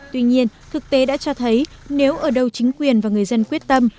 tuy nhiên thực tế đã cho thấy nếu ở đầu chính quyền và người dân quyết tâm